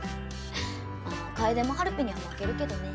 まあ楓もはるぴには負けるけどね。